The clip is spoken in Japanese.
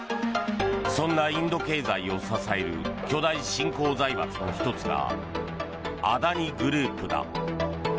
そんなインド経済を支える巨大新興財閥の１つがアダニ・グループだ。